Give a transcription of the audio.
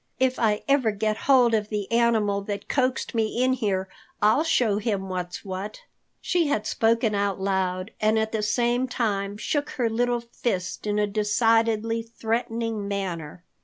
"If I ever get hold of the animal that coaxed me in here, I'll show him what's what." She had spoken out loud, and at the same time shook her little fist in a decidedly threatening manner.